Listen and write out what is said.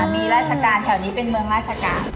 มีราชการแถวนี้เป็นเมืองราชการ